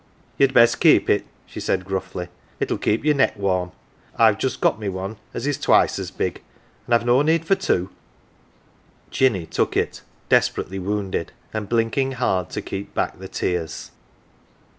"You'd best keep it," she said gruffly. " It'll keep your neck warm. I've just got me one as is twice as big, an' I've no need for two." Jinny took it, desperately wounded, and blinking hard to keep back the tears.